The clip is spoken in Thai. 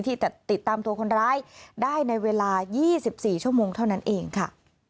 ที่จะติดตามตัวคนร้ายได้ในเวลา๒๔ชั่วโมงเท่านั้นเองค่ะ